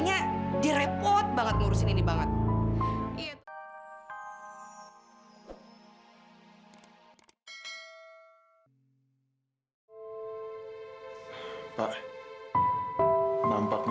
ya tapi begini pak